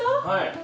はい。